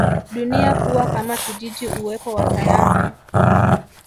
dunia kuwa kama kijiji uwepo wa sayansi